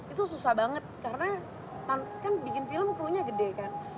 itu susah banget karena kan bikin film krunya gede kan